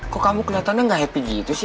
kok kamu kelihatannya nggak happy gitu sih